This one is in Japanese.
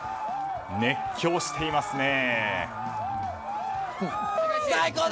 熱狂していますね。